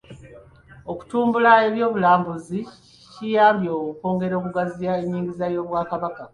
Okutumbula eby'obulambuzi kiyambye okwongera okugaziya ennyingiza y'Obwakabaka.